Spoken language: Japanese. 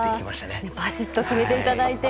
バシッと決めていただいて。